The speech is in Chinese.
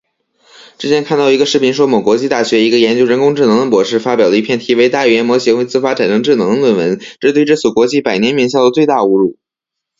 之前看到一个视频说某国际大学一个研究人工智能的博士发表了一篇题为:大语言模型会自发产生智能的论文，这是对这所国际百年名校的最大侮辱